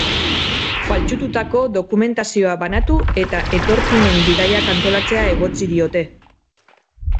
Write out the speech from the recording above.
Faltsututako dokumentazioa banatu eta etorkinen bidaiak antolatzea egotzi diote.